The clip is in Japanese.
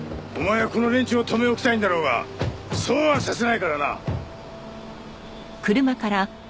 お前はこの連中を留め置きたいんだろうがそうはさせないからな！